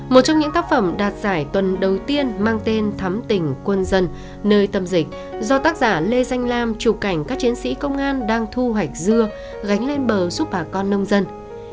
một trong những tác phẩm đạt giải tuần đầu tiên mang tên thắm tỉnh quân dân nơi tâm dịch do tác giả lê danh lam chụp cảnh các chiến sĩ công an đang thu hoạch dưa gánh lên bờ giúp bà con nông dân